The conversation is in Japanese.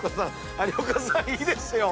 有岡さんいいですよ。